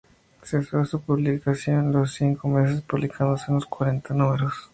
Cesó a su publicación a los cinco meses, publicándose unos cuarenta números.